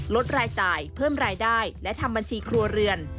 ลดรายจ่ายเพิ่มรายได้และทำบัญชีครัวเรือน